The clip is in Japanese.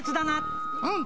うん。